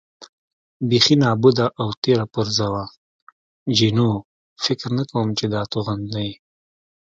بېخي نابوده او تېره پرزه وه، جینو: فکر نه کوم چې دا توغندي.